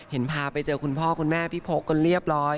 พาไปเจอคุณพ่อคุณแม่พี่พกกันเรียบร้อย